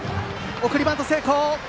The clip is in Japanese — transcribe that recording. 送りバント成功！